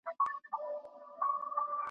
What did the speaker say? ننګ پر وکه بیده قامه ستا په ننګ زندان ته تللی .